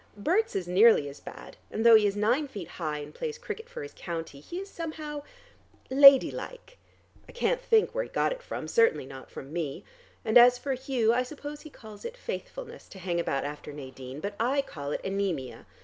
Berts is nearly as bad, and though he is nine feet high and plays cricket for his county, he is somehow ladylike. I can't think where he got it from: certainly not from me. And as for Hugh, I suppose he calls it faithfulness to hang about after Nadine, but I call it anemia.